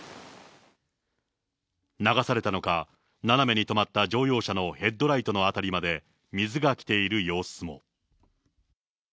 流されたのか、斜めに止まった乗用車のヘッドライトの辺りまで、水が来ている様子も。